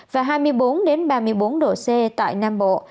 và hai mươi bốn ba mươi bốn độ c tại nam bộ